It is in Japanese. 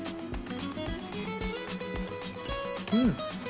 うん。